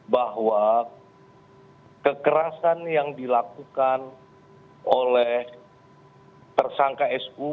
bahwa kekerasan yang dilakukan oleh tersangka su